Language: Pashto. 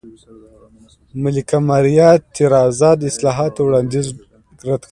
ملکه ماریا تېرازا د اصلاحاتو وړاندیز رد کاوه.